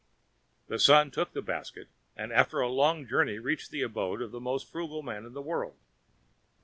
The son took the basket, and after a long journey reached the abode of the most frugal man in the world.